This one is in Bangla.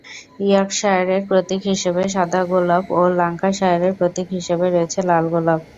ইয়র্কশায়ারের প্রতীক হিসেবে সাদা গোলাপ ও ল্যাঙ্কাশায়ারের প্রতীক হিসেবে রয়েছে লাল গোলাপ।